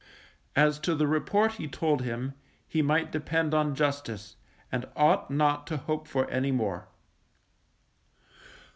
As to the report he told him, he might depend on Justice, and ought not to hope for any more.